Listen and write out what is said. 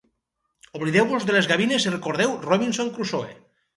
Oblideu-vos de les gavines i recordeu "Robinson Crusoe".